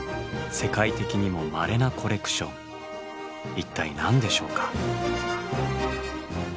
一体何でしょうか？